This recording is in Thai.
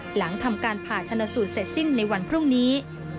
หลังทำการผ่าชนสูตรเสร็จสิ้นในวันพรุ่งนี้